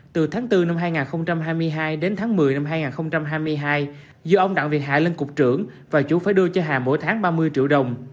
từ tháng bốn năm hai nghìn hai mươi hai đến tháng một mươi năm hai nghìn hai mươi hai do ông đặng việt hà lên cục trưởng và chủ phải đưa cho hà mỗi tháng ba mươi triệu đồng